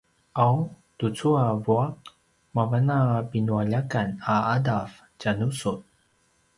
’aw tucu a vua’ mavan a pinualjakan a ’adav tjanusun